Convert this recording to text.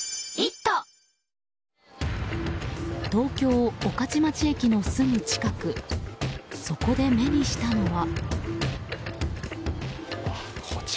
東京・御徒町駅のすぐ近くそこで目にしたのは。